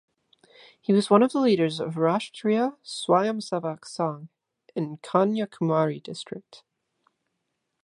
He was one of the leaders of Rashtriya Swayamsevak Sangh in Kanyakumari district.